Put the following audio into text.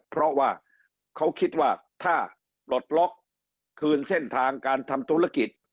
เพราะว่าเขาคิดว่าถ้าปลดล็อกคืนเส้นทางการทำธุรกิจ